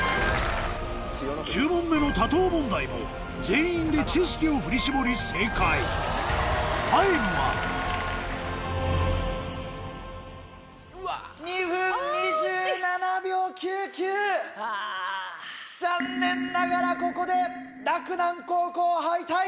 １０問目の多答問題も全員で知識を振り絞り正解・うわぁ・残念ながらここで。